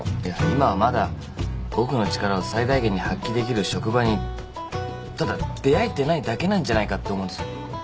いや今はまだ僕の力を最大限に発揮できる職場にただ出合えてないだけなんじゃないかって思うんです。